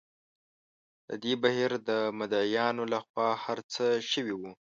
د دې بهیر د مدعییانو له خوا هر څه شوي وو.